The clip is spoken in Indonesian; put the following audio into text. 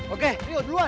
oke yuk duluan